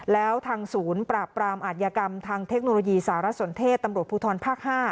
แล้วทางศูนย์ปราบปรามอาธิกรรมทางเทคโนโลยีสารสนเทศตำรวจภูทรภาค๕